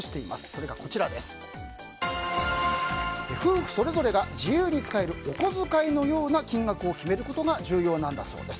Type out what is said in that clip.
それが、夫婦それぞれが自由に使えるお小遣いのような金額を決めることが重要なんだそうです。